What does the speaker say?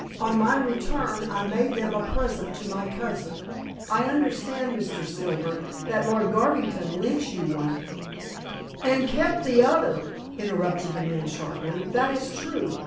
"On my return I made them a present to my cousin. I understand, Mr. Silver, that Lord Garvington lent you one " "And kept the other," interrupted the man sharply. "That is true.